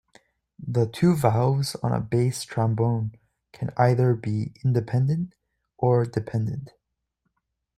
The two valves on a bass trombone can either be independent or dependent.